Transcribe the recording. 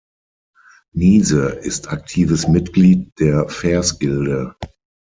Niese ist aktives Mitglied der Fehrs-Gilde.